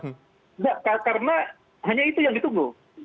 tidak karena hanya itu yang ditunggu